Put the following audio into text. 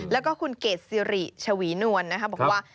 แล้วก็คุณเกดสิริชวีนวลบอกว่า